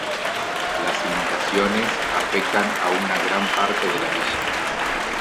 Las inundaciones afectan a una gran parte de la villa.